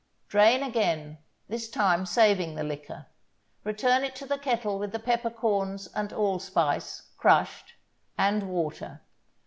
Drain again, this time saving the liquor. Return it to the kettle with the peppercorns and allspice, crushed, and water.